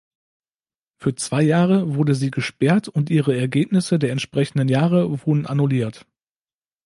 Für zwei Jahre wurde sie gesperrt und ihre Ergebnisse der entsprechenden Jahre wurden annulliert.